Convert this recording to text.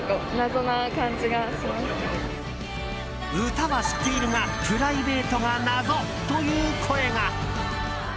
歌は知っているがプライベートなどが謎という声が。